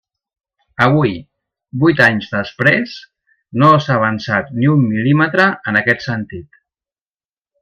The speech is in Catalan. Avui, vuit anys després, no s'ha avançat ni un mil·límetre en aquest sentit.